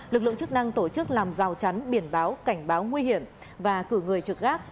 lực lượng chức năng tổ chức làm rào chắn biển báo cảnh báo nguy hiểm và cử người trực gác